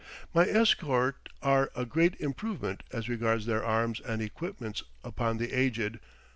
My escort are a great improvement as regards their arms and equipments upon "The Aged."